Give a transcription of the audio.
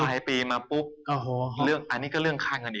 อันนี้ก็คือเรื่องค่าเงิน